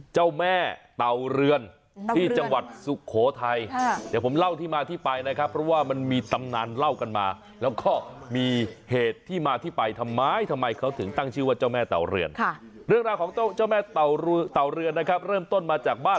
เจ้าแม่เตาเลือนที่จังหวัดสุโขทัย